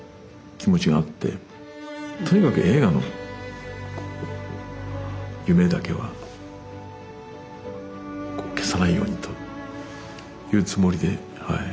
とにかく映画の夢だけはこう消さないようにというつもりではい